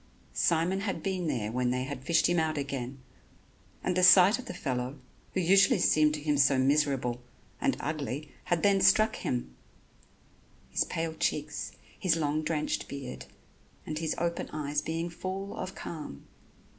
Simon had been there when they had fished him out again; and the sight of the fellow, who usually seemed to him so miserable, and ugly, had then struck him his pale cheeks, his long drenched beard and his open eyes being full of calm.